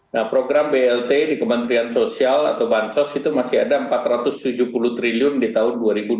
nah program blt di kementerian sosial atau bansos itu masih ada rp empat ratus tujuh puluh triliun di tahun dua ribu dua puluh